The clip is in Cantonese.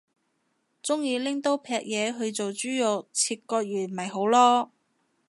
鍾意拎刀劈嘢去做豬肉切割員咪好囉